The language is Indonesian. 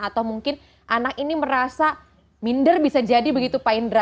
atau mungkin anak ini merasa minder bisa jadi begitu pak indra